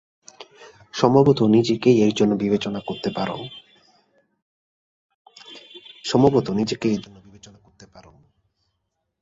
সম্ভবত নিজেকেই এর জন্য বিবেচনা করতে পারো।